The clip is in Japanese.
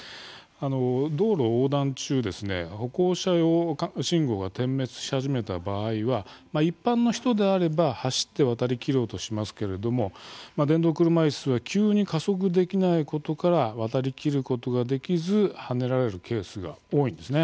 道路を横断中、歩行者用信号が点滅し始めた場合は一般の人であれば走って渡りきろうとしますけれども電動車いすは急に加速できないことから渡りきることができずはねられるケースが多いんです。